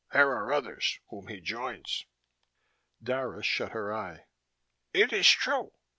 "There are others, whom he joins." Dara shut her eye. "It is true.